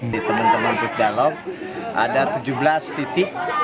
di teman teman food dialog ada tujuh belas titik